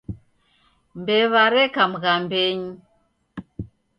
Mbew'a reka mghambenyi.